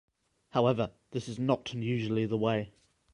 However, this is not usually the way.